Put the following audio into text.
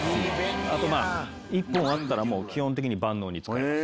あとまあ１本あったら基本的に万能に使えます。